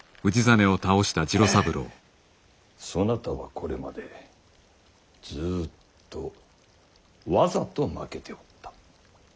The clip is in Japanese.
そなたはこれまでずっとわざと負けておった。